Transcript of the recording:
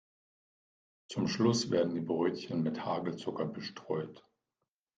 Zum Schluss werden die Brötchen mit Hagelzucker bestreut.